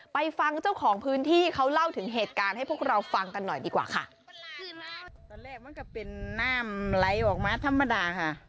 ไปฟังเจ้าของพื้นที่เขาเล่าถึงเหตุการณ์ให้พวกเราฟังกันหน่อยดีกว่าค่ะ